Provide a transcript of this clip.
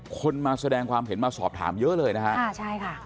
คนมาแสดงความเห็นมาสอบถามเยอะเลยนะฮะอ่าใช่ค่ะ